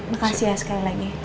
makasih ya sekali lagi